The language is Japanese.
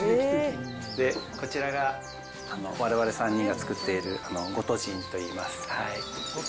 こちらがわれわれ３人が造っているゴトジンといいます。